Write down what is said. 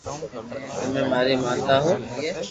تمي ماري ماتا ھون